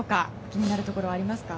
気になるところありますか。